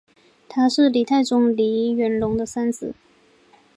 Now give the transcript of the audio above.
他是黎太宗黎元龙的三子。